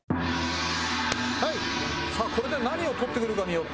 これで何を取ってくるかによって。